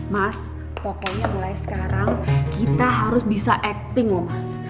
mas pokoknya mulai sekarang kita harus bisa acting loh mas